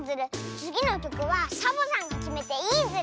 つぎのきょくはサボさんがきめていいズル。